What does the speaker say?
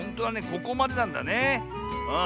ここまでなんだねえ。